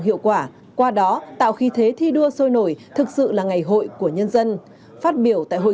hiệu quả qua đó tạo khí thế thi đua sôi nổi thực sự là ngày hội của nhân dân phát biểu tại hội